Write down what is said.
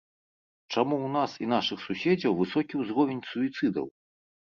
Чаму ў нас і нашых суседзяў высокі ўзровень суіцыдаў?